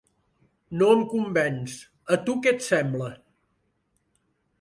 No em convenç, a tu què et sembla?